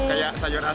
kayak sayur asam